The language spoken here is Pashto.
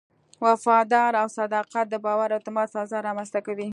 وفاداري او صداقت د باور او اعتماد فضا رامنځته کوي.